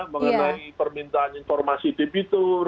mengenai permintaan informasi debitur